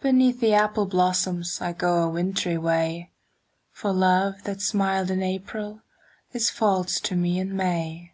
Beneath the apple blossoms I go a wintry way, For love that smiled in April Is false to me in May.